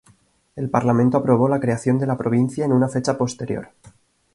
El Parlamento aprobó la creación de la provincia en una fecha posterior.